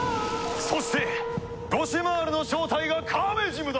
そしてボシマールの正体がカメジムだった！